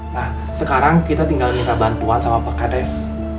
nah sekarang kita tinggal minta bantuan sama pak kades